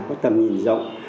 có tầm nhìn rộng